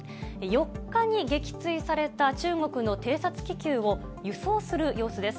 ４日に撃墜された中国の偵察気球を輸送する様子です。